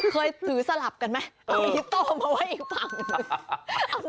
เคยถือสลับกันไหมเอาอิโต้มาไว้อีกฝั่ง